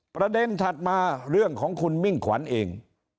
ถัดมาเรื่องของคุณมิ่งขวัญเอง